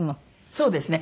そうですね。